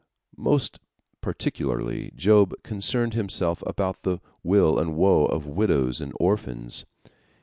Most particularly Job concerned himself about the weal and woe of widows and orphans.